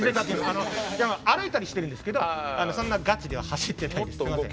歩いたりしてるんですけどそんなにガチで走ったり。